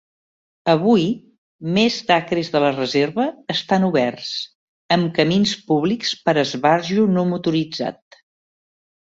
Avui, més d'acres de la reserva estan oberts, amb camins públics per esbarjo no motoritzat.